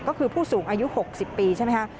ก็คือผู้สูงอายุ๖๐ปีใช่ไหมคะ